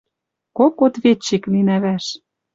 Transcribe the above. Кок ответчик линӓ вӓш.